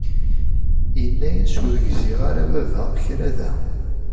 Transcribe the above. Yenna-as ur gziɣ ara a baba kra da.